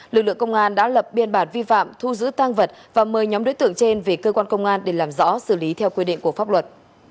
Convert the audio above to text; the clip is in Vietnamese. lực lượng công an đã lập biên bản vi phạm thu giữ tăng vật và mời nhóm đối tượng trên về cơ quan công an để làm rõ xử lý theo quy định của pháp luật